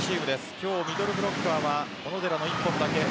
今日のミドルブロッカーは小野寺の１本だけです。